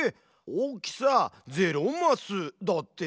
「大きさ０マス」だって。